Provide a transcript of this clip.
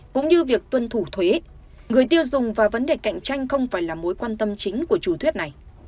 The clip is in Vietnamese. cũng như việc tuân thủ thuế người tiêu dùng và vấn đề cạnh tranh không phải là mối quan tâm chính của chủ thuyết này